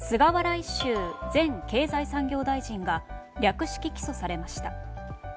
一秀前経済産業大臣が略式起訴されました。